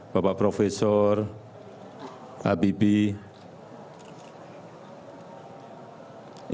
bapak profesor habibie